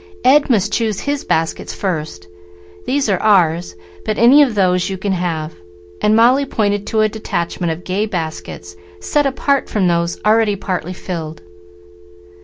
"Ed must choose his baskets first. These are ours; but any of those you can have;" and Molly pointed to a detachment of gay baskets, set apart from those already partly filled.